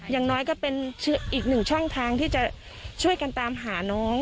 อย่างน้อยก็เป็นอีกหนึ่งช่องทางที่จะช่วยกันตามหาน้อง